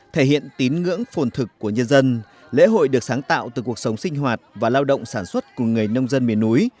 thể hiện tín ngưỡng phồn thực của nhân dân lễ hội được sáng tạo từ cuộc sống sinh hoạt và lao động sản xuất của người nông dân miền núi